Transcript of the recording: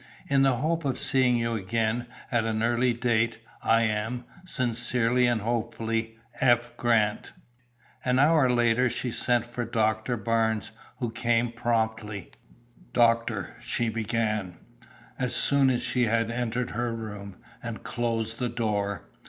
In the hope of seeing you again, at an early date, I am, "Sincerely and hopefully, "F. Grant." An hour later she sent for Doctor Barnes, who came promptly. "Doctor," she began, as soon as he had entered her room, and closed the door.